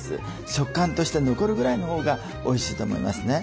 食感として残るぐらいのほうがおいしいと思いますね。